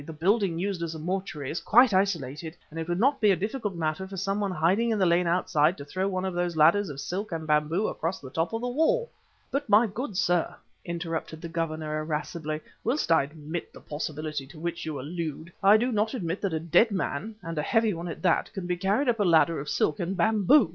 "The building used as a mortuary is quite isolated, and it would not be a difficult matter for some one hiding in the lane outside to throw one of those ladders of silk and bamboo across the top of the wall." "But, my good sir," interrupted the Governor irascibly, "whilst I admit the possibility to which you allude, I do not admit that a dead man, and a heavy one at that, can be carried up a ladder of silk and bamboo!